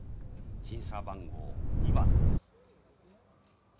審査番号２番です。